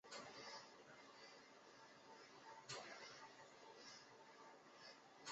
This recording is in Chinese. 以下是一个范例。